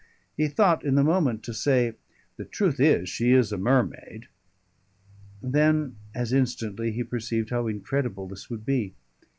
He thought in the moment to say, "The truth is, she is a mermaid." Then as instantly he perceived how incredible this would be.